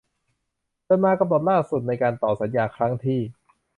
จนมากำหนดล่าสุดในการต่อสัญญาครั้งที่